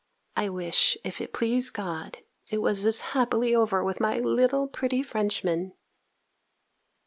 I wish if it please God, it was as happily over with my little pretty Frenchman.